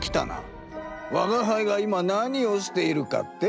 わがはいが今何をしているかって？